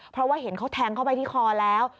เพราะว่าเห็นเขาแทงเข้าไปที่คอแล้ว